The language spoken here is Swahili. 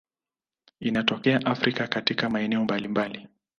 Inatokea Afrika katika maeneo mbalimbali.